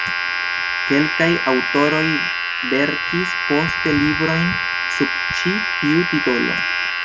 Kelkaj aŭtoroj verkis poste librojn sub ĉi tiu titolo.